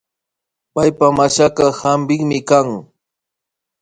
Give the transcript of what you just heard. Paypak mashaka hampikmi kan